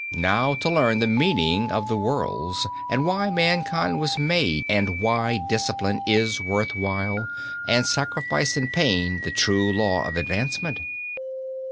Now to learn the meaning of the worlds, and why mankind was made, and why discipline is worth while, and sacrifice and pain the true law of advancement."